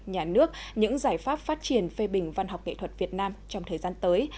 nhà nước những giải pháp phát triển phê bình văn học nghệ thuật việt nam trong thời gian tới